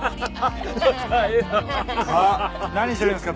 あっ何してるんですか？